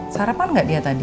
sarapan gak dia tadi